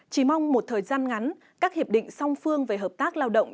chỉ mong một thời gian ngắn các hiệp định song phương về hợp tác lao động